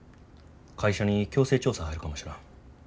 会社に強制調査入るかもしらん。